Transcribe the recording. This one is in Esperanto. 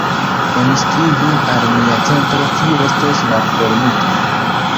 Oni skribu al mia centro kiu restos malfermita.